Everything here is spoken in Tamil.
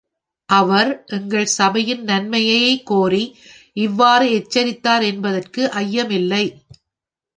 அவர் எங்கள் சபையின் நன்மையையே கோரி இவ்வாறு எச்சரித்தார் என்பதற்கு ஐயமில்லை.